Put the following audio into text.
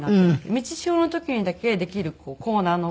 満ち潮の時にだけできるコーナーの。